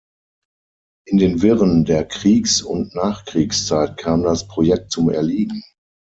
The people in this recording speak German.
In den Wirren der Kriegs- und Nachkriegszeit kam das Projekt zum Erliegen.